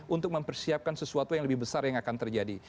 untuk mempersiapkan sesuatu yang lebih besar yang akan terjadi